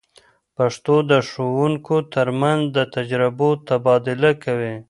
پښتو د ښوونکو تر منځ د تجربو تبادله کوي.